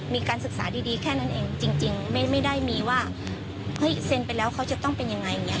มีการศึกษาดีแค่นั้นเองจริงไม่ได้มีว่าเฮ้ยเซ็นไปแล้วเขาจะต้องเป็นยังไงอย่างนี้